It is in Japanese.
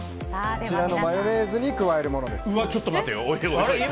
マヨネーズに加えるものです。